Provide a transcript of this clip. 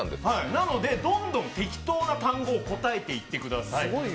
なので、どんどん適当な単語を答えていってください。